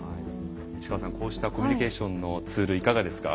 市川さん、こうしたコミュニケーションのツールいかがですか？